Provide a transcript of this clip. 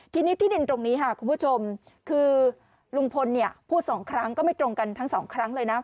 ทีนี้ที่ดินตรงนี้ค่ะคุณผู้ชมคือลุงพลพูดสองครั้งก็ไม่ตรงกันทั้งสองครั้งเลยนะ